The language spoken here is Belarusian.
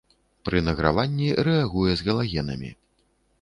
Пры награванні рэагуе з галагенамі.